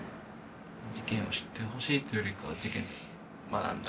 事件を知ってほしいというよりかはうん。